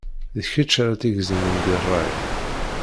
D kečč ara tt-igezmen deg rray.